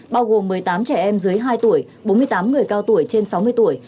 bao gồm một mươi tám trẻ em dưới hai tuổi bốn mươi tám người cao tuổi trên sáu mươi tuổi